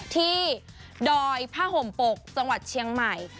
ดอยผ้าห่มปกจังหวัดเชียงใหม่